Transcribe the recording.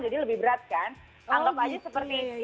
jadi lebih berat kan